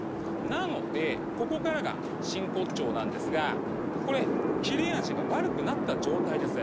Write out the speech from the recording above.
なのでここからが真骨頂なんですがこれ切れ味が悪くなった状態です。